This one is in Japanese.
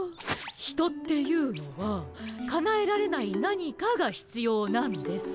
ヒトっていうのはかなえられない何かがひつようなんです。